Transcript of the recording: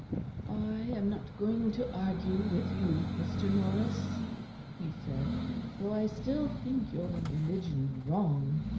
"I am not going to argue with you, Mr. Norris," he said, "though I still think your religion wrong.